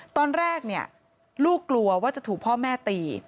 ตอนแรกเนี่ยลูกกลัวว่าจะถูกพ่อแม่ตี